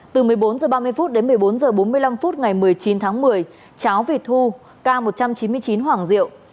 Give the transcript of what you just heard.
từ một mươi bốn h ba mươi đến một mươi bốn h bốn mươi năm phút ngày một mươi chín tháng một mươi cháo vịt thu k một trăm chín mươi chín hoàng diệu